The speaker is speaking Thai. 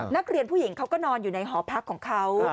นักเรียนผู้หญิงเขาก็นอนอยู่ในหอพักของเขา